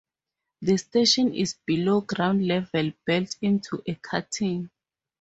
The station is below ground level built into a cutting.